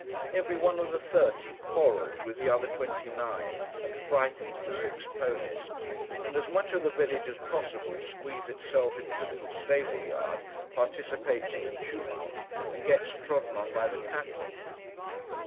Every one of the thirty, quarrels with the other twenty nine, and frightens the six ponies; and as much of the village as can possibly squeeze itself into the little stable yard, participates in the tumult, and gets trodden on by the cattle.